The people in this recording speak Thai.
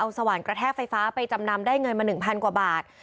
สว่านกระแทกไฟฟ้าไปจำนำได้เงินมา๑๐๐กว่าบาท